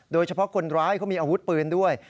โดยเฉพาะคนร้ายเขามีอาวุธปืนด้วย